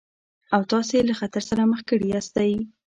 او تاسې يې له خطر سره مخ کړي ياستئ.